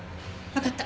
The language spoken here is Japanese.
わかった。